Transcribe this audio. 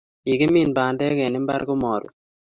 Kikimin bandek en imbar ko marut